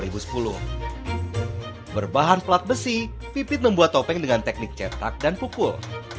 berbahan pelat besi pipit membuat topeng dengan teknik cetak dan pukul